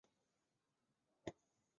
海容号成为新北洋水师主力舰之一。